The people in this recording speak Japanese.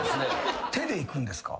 手でいくんですか？